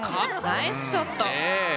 ナイスショット。